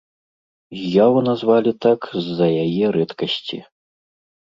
З'яву назвалі так з-за яе рэдкасці.